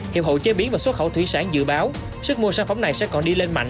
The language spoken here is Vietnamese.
hiệp hội chế biến và xuất khẩu thủy sản dự báo sức mua sản phẩm này sẽ còn đi lên mạnh